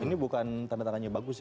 ini bukan tanda tangannya bagus ya